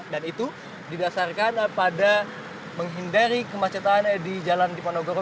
dan itu didasarkan pada menghindari kemacetan di jalan jiponogoro